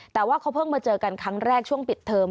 แต่ว่าเขาเพิ่งมาเจอกันครั้งแรกช่วงปิดเทอม